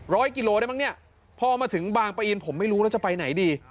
กิโลได้มั้งเนี่ยพอมาถึงบางปะอินผมไม่รู้แล้วจะไปไหนดี